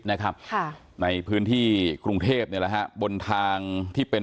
นะครับค่ะในพื้นที่กรุงเทพเนี่ยแหละฮะบนทางที่เป็น